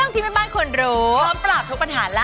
ที่ไม่บ้านควรรู้